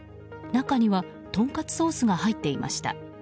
中には、とんかつソースが入っていました。